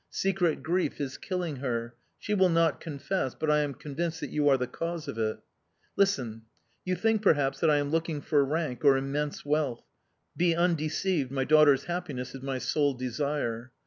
Secret grief is killing her; she will not confess, but I am convinced that you are the cause of it... Listen: you think, perhaps, that I am looking for rank or immense wealth be undeceived, my daughter's happiness is my sole desire.